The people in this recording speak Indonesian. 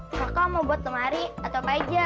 apakah mau buat lemari atau apa aja